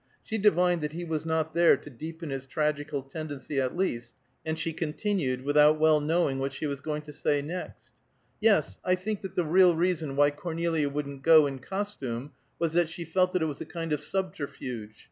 She divined that he was not there to deepen its tragical tendency at least, and she continued without well knowing what she was going to say next: "Yes, I think that the real reason why Cornelia wouldn't go in costume was that she felt that it was a kind of subterfuge.